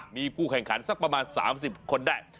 มีผู้แข่งขันสักประมาณ๓๐คนได้